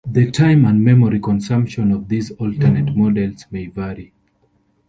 The time and memory consumption of these alternate models may vary.